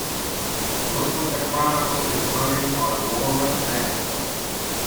Look what the Chronicle is running on Laura Ben.